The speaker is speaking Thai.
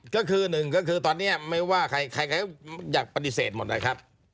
ก็คือหนึ่งก็คือตอนนี้ไม่ว่าใครอยากปฏิเสธหมดนะครับ